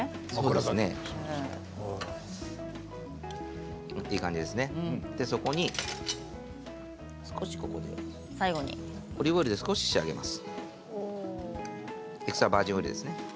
オリーブオイルで少し仕上げます。